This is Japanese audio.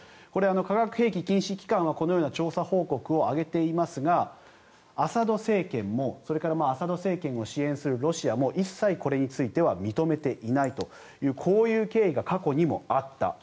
これ、化学兵器禁止機関はこのような調査報告を上げていますがアサド政権も、それからアサド政権を支援するロシア政府も一切これについては認めていないというこういう経緯が過去にもあった。